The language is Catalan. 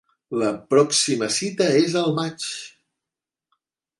La pròxima cita és al maig.